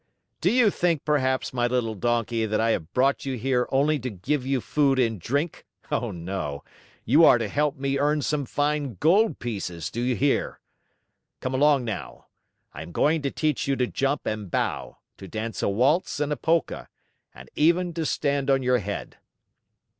"Do you think, perhaps, my little Donkey, that I have brought you here only to give you food and drink? Oh, no! You are to help me earn some fine gold pieces, do you hear? Come along, now. I am going to teach you to jump and bow, to dance a waltz and a polka, and even to stand on your head."